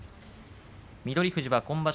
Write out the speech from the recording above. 翠富士は今場所